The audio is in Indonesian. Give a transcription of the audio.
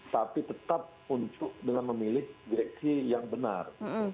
tapi tetap untuk dengan memilih direksi yang benar